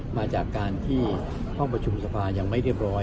มาจากการที่ห้องประชุมสภายังไม่เรียบร้อย